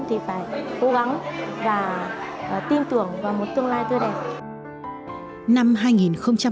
thì phải cố gắng và tin tưởng vào một tương lai tươi đẹp